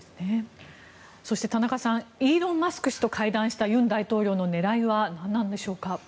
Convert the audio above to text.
そして田中さんイーロン・マスク氏と会談した尹大統領の狙いはなんでしょうか。